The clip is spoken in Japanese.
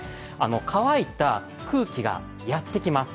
乾いた空気がやってきます。